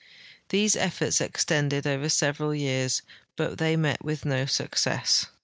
These efforts extended over several years, hut they met with no success.